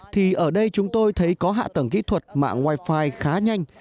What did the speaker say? thì ở đây chúng tôi thấy có hạ tầng kỹ thuật mạng wifi khá nhanh